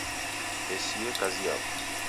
Hesie kazi yapo